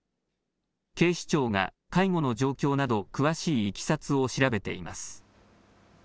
警視庁が介護の状況など、詳しいいきさつを調べています。